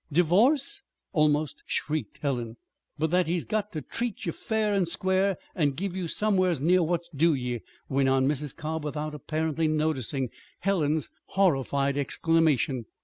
"Divorce!" almost shrieked Helen. "But that he's got ter treat ye fair and square, an' give ye somewheres near what's due ye," went on Mrs. Cobb, without apparently noticing Helen's horrified exclamation.